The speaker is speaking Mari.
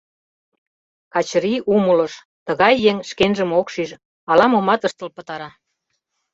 Качырий умылыш: тыгай еҥ шкенжым ок шиж, ала-момат ыштыл пытара.